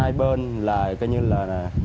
được hai bên là coi như là